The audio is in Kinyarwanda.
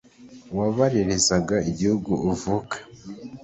Wabaririzaga igihugu uvuka